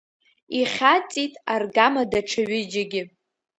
Ихьаҵит аргама даҽа ҩыџьагьы.